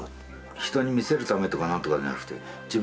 人に見せるためとか何とかじゃなくて自分。